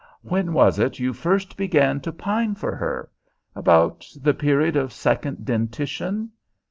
"When was it you first began to pine for her? About the period of second dentition?"